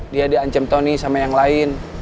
dia di ancam tony sama yang lain